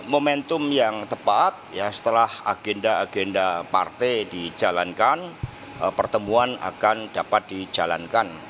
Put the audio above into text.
momentum yang tepat setelah agenda agenda partai dijalankan pertemuan akan dapat dijalankan